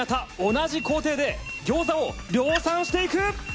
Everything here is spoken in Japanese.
同じ工程で餃子を量産していく！